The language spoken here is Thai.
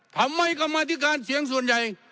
ทำไมกรรมธิการเสียงส่วนใหญ่